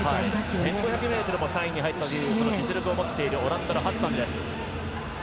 １５００ｍも３位に入ったことのある実力を持っているハッサンです。